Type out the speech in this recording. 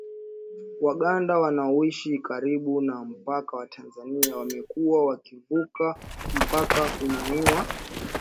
Waganda wanaoishi karibu na mpaka wa Tanzania wamekuwa wakivuka mpaka kununua